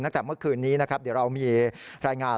ตั้งแต่เมื่อคืนนี้นะครับเดี๋ยวเรามีรายงาน